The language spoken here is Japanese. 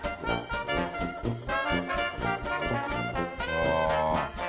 ああ。